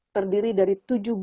terdiri dari tujuh belas